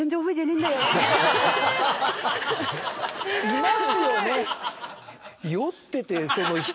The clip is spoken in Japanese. いますよね！